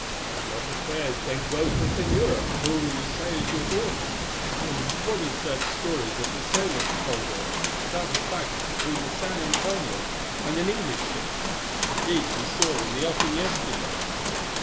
"On what affairs then goes the señora, who you say is your daughter, and what is that story that the sailors told of, about a fight between the San Antonio and an English ship, which indeed we saw in the offing yesterday?